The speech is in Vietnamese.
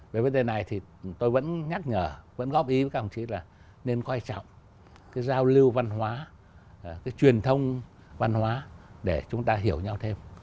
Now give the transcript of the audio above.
với đây này thì tôi vẫn nhắc nhở vẫn góp ý với các ông chí là nên quan trọng cái giao lưu văn hóa cái truyền thống văn hóa để chúng ta hiểu nhau thêm